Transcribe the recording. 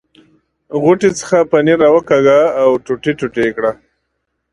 غوټې څخه پنیر را وکاږه او ټوټې ټوټې یې کړ.